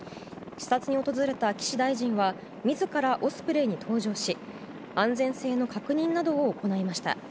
視察に訪れた岸大臣は自らオスプレイに搭乗し安全性の確認などを行いました。